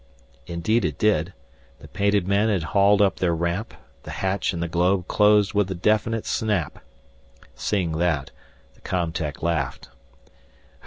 Indeed it did. The painted men had hauled up their ramp, the hatch in the globe closed with a definite snap. Seeing that, the com tech laughed.